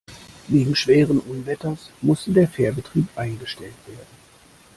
Wegen schweren Unwetters musste der Fährbetrieb eingestellt werden.